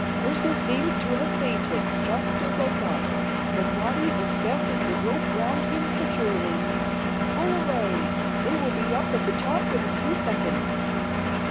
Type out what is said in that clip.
"Hirzel seems to have fainted, just as I thought, but Watty has fastened the rope round him securely. Pull away! they will be at the top in a few seconds."